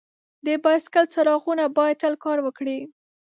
د بایسکل څراغونه باید تل کار وکړي.